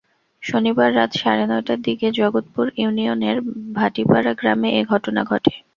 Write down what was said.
শনিবার রাত সাড়ে নয়টার দিকে জগৎপুর ইউনিয়নের ভাটিপাড়া গ্রামে এ ঘটনা ঘটে।